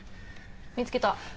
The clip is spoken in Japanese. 見つけた。